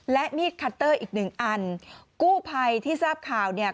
และมีดคัตเตอร์อีกหนึ่งอันกู้ภัยที่ทราบข่าวเนี่ย